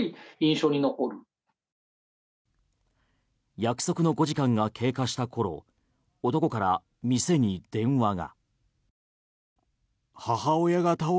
約束の５時間が経過した頃男から店に電話が。